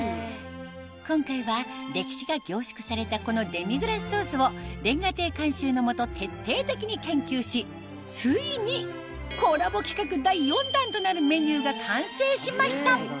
今回は歴史が凝縮されたこのデミグラスソースを瓦亭監修の下徹底的に研究しついにコラボ企画第４弾となるメニューが完成しました！